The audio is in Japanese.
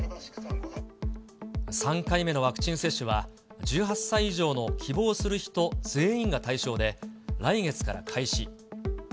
３回目のワクチン接種は１８歳以上の希望する人全員が対象で、来月から開始。